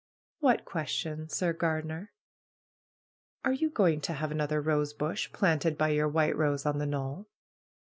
"What question, Sir Gardener?" "Are you going to have another rosebush planted by your white rose on the knoll?"